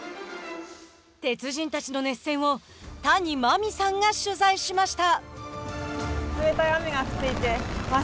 鉄人たちの熱戦を谷真海さんが取材しました。